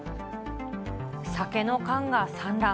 酒の缶が散乱。